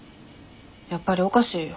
やっぱりおかしいよ。